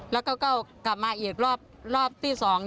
แล้วก็กลับมาอีกรอบที่๒